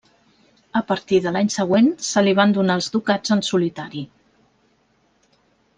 A partir de l'any següent se li van donar els ducats en solitari.